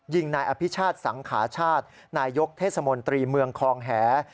ยิงนายอภิชาติสังขาชาตินายยกเทศมนตรีเมืองคลองแห